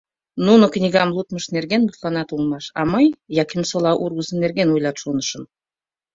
Нуно книгам лудмышт нерген мутланат улмаш, а мый, Якимсола ургызо нерген ойлат, шонышым.